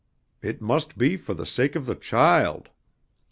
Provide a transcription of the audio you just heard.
It must for the sake of the child.